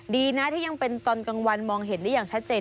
ดีนะที่ยังเป็นตอนกลางวันมองเห็นได้อย่างชัดเจน